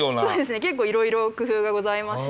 結構いろいろ工夫がございまして。